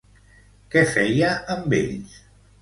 Què feia amb ells?